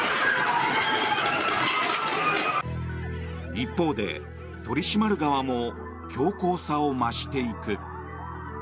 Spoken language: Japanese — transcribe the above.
一方で取り締まる側も強硬さを増していく。